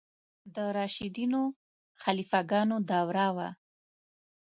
د راشدینو خلیفه ګانو دوره وه.